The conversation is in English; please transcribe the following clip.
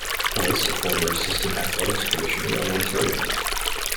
Price, a former assistant athletics commissioner of Ontario.